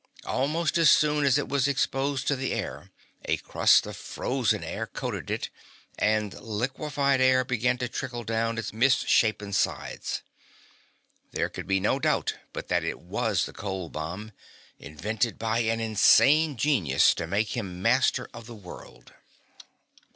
Almost as soon as it was exposed to the air a crust of frozen air coated it, and liquified air began to trickle down its misshapen sides. There could be no doubt but that it was the cold bomb, invented by an insane genius to make him master of the world.